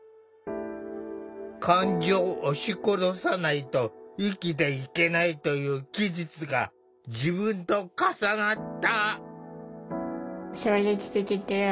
「感情を押し殺さないと生きていけない」という記述が自分と重なった。